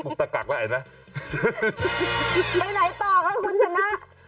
กุ๊บตะกักแล้วไปไหนต่อค่ะคุณชนะ